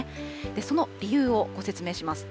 その理由をご説明します。